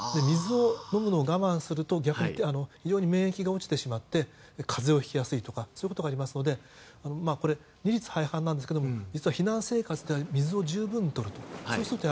水を飲むのを我慢すると非常に免疫が落ちてしまって風邪をひきやすいとかそういうことがありますので二律背反ですが、避難生活では水を十分とると。